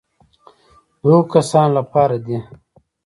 د هغو کسانو لپاره دي.